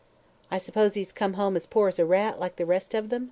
"I suppose he's come home as poor as a rat, like the rest of them?"